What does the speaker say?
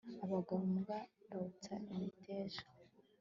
abagabo mbwa botsa imiteja